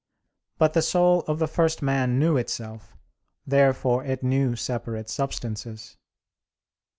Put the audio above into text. But the soul of the first man knew itself. Therefore it knew separate substances.